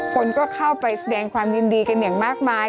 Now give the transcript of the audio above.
คนก็เข้าไปแสดงความยินดีกันอย่างมากมาย